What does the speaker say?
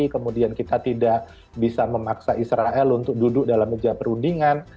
kemudian kita tidak bisa memaksa israel untuk duduk dalam meja perundingan